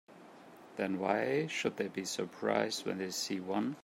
Then why should they be surprised when they see one?